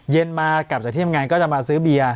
มากลับจากที่ทำงานก็จะมาซื้อเบียร์